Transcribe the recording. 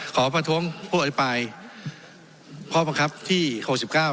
ขอพระทังผู้อด้วยไปข้อบังคับที่หกสิบเก้า